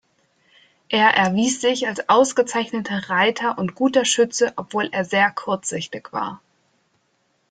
Er erwies sich als ausgezeichneter Reiter und guter Schütze, obwohl er sehr kurzsichtig war.